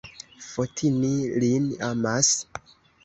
Fotini lin amas?